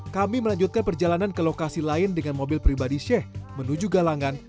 kami melanjutkan perjalanan ke lokasi lain dengan mobil pribadi sheikh menuju galangan